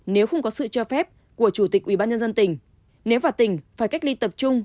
nếu không có sự cho phép của chủ tịch ubnd tỉnh nếu vào tỉnh phải cách ly tập trung